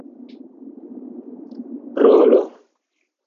rolo